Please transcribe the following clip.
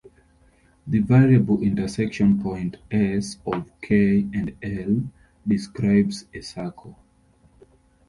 The variable intersection point "S" of "k" and "l" describes a circle.